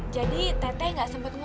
jadi teteh gak sampai kemari